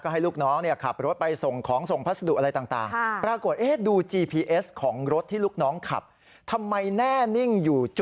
ให้ลูกน้องขับรถไปส่งของส่งพัสดุอะไรต่าง